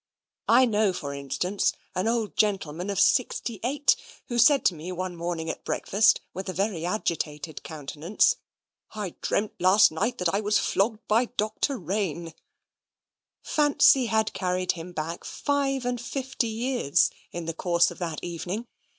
I know, for instance, an old gentleman of sixty eight, who said to me one morning at breakfast, with a very agitated countenance, "I dreamed last night that I was flogged by Dr. Raine." Fancy had carried him back five and fifty years in the course of that evening.